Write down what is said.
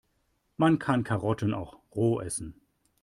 Man kann Karotten auch roh essen.